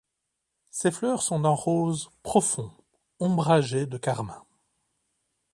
Ses fleurs sont d'un rose profond, ombragé de carmin.